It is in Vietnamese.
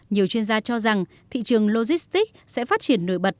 nhiều chuyên gia cho rằng thị trường logistics sẽ phát triển nổi bật